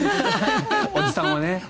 おじさんはね。